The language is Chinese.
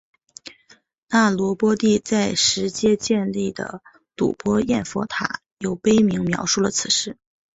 那罗波帝在实皆建立的睹波焰佛塔有碑铭描述了此事。